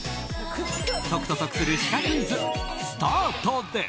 解くと得するシカクイズスタートです。